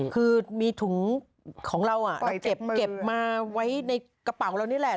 คือมีถุงของเราเราเก็บมาไว้ในกระเป๋าเรานี่แหละ